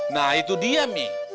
nah itu dia mi